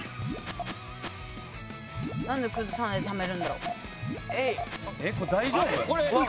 何で崩さないでためるんだろう？